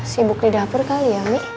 sibuk di dapur kali ya mik